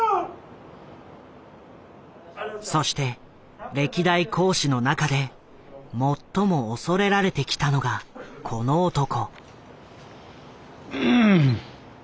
そして歴代講師の中で最も恐れられてきたのがこの男。